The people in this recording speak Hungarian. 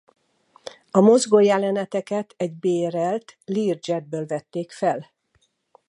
A mozgó jeleneteket egy bérelt Lear Jet-ből vették fel.